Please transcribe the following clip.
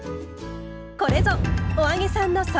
これぞ「“お揚げさん”の底力！」。